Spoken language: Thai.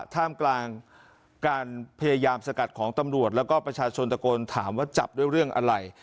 ท่ามกลางการพยายามสกัดของตำรวจแล้วก็ประชาชนตะโกนถามว่าจับด้วยเรื่องอะไร